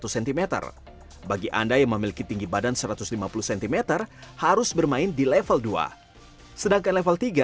cm bagi anda yang memiliki tinggi badan satu ratus lima puluh cm harus bermain di level dua sedangkan level tiga